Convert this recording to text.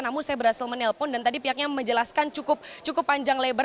namun saya berhasil menelpon dan tadi pihaknya menjelaskan cukup panjang lebar